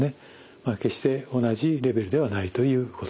決して同じレベルではないということです。